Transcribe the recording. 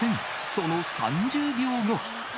その３０秒後。